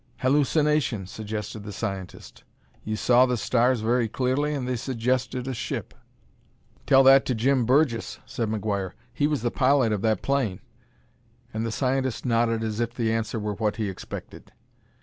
"Hallucination," suggested the scientist. "You saw the stars very clearly, and they suggested a ship." "Tell that to Jim Burgess," said McGuire: "he was the pilot of that plane." And the scientist nodded as if the answer were what he expected.